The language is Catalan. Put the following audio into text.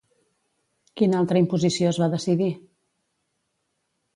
Quina altra imposició es va decidir?